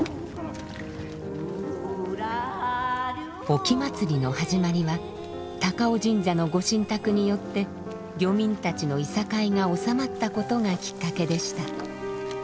沖祭りの始まりは鷹尾神社のご神託によって漁民たちのいさかいが収まったことがきっかけでした。